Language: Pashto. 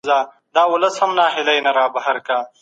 د ټولنې د پرمختګ لپاره د نوښت او علم ترکیب مهم دی.